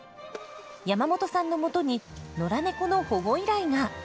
山本さんのもとに野良猫の保護依頼が。